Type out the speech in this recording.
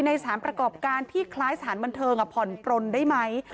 สารประกอบการที่คล้ายสถานบันเทิงผ่อนปลนได้ไหม